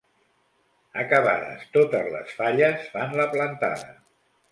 Acabades totes les falles, fan la plantada.